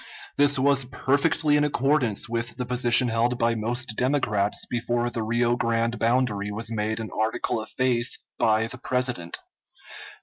This was perfectly in accordance with the position held by most Democrats before the Rio Grande boundary was made an article of faith by the President.